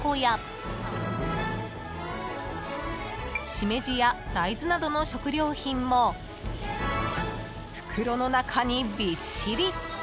［シメジや大豆などの食料品も袋の中にびっしり］